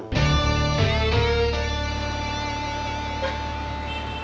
kita mau perang